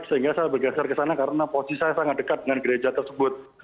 sehingga saya bergeser ke sana karena posisi saya sangat dekat dengan gereja tersebut